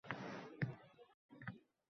Ohista tashqari yo‘l oldi.